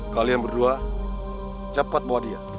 kalian berdua cepat bawa dia